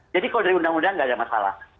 jadi kalau dari undang undang nggak ada masalah